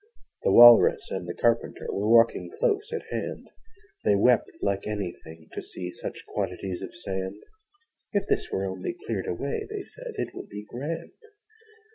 The Walrus and the Carpenter Were walking close at hand: They wept like anything to see Such quantities of sand: 'If this were only cleared away,' They said, 'it would be grand.'